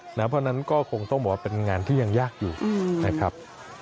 เพราะฉะนั้นก็คงต้องบอกว่าเป็นงานที่ยังยากอยู่นะครับ